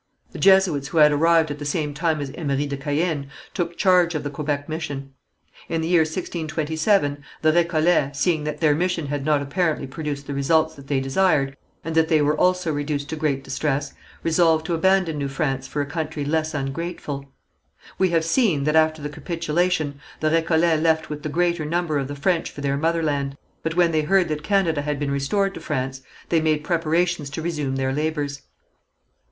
The Jesuits who had arrived at the same time as Emery de Caën, took charge of the Quebec mission. In the year 1627, the Récollets, seeing that their mission had not apparently produced the results that they desired, and that they were also reduced to great distress, resolved to abandon New France for a country less ungrateful. We have seen that after the capitulation, the Récollets left with the greater number of the French for their motherland, but when they heard that Canada had been restored to France, they made preparations to resume their labours.